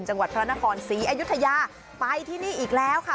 จังหวัดพระนครศรีอยุธยาไปที่นี่อีกแล้วค่ะ